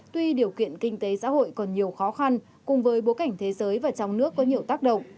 tuy điều kiện kinh tế xã hội còn nhiều khó khăn cùng với bối cảnh thế giới và trong nước có nhiều tác động